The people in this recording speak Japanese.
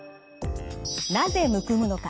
なぜむくむのか。